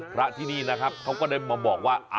พระที่นี่นะครับเขาก็ได้มาบอกว่า